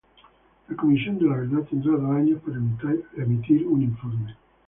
La Comisión de la Verdad tendrá dos años para emitir un informe.